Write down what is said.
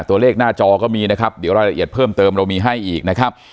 ตัวเลขหน้าจอก็มีนะครับเดี๋ยวรายละเอียดเพิ่มเติมเรามีให้อีกนะครับ